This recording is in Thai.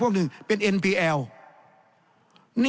แสดงว่าความทุกข์มันไม่ได้ทุกข์เฉพาะชาวบ้านด้วยนะ